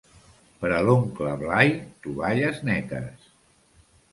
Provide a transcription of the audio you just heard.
Per a l'oncle Blai, tovalles netes.